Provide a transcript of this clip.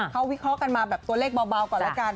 เขาวิเคราะห์กันมาแบบตัวเลขเบาก่อนแล้วกัน